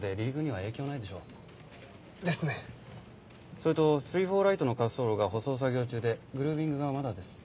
それと３４Ｒの滑走路が舗装作業中でグルービングがまだです。